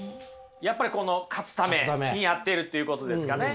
やっぱりこの勝つためにやっているっていうことですかね。